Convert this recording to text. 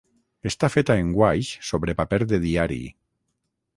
Està feta en guaix sobre paper de diari.